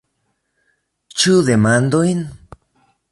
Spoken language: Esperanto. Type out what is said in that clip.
Ĉu demandojn?